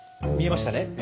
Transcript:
見えましたね？